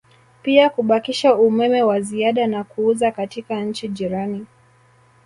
Pia kubakisha umeme wa ziada na kuuza katika nchi jirani